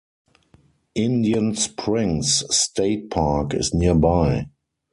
Indian Springs State Park is nearby.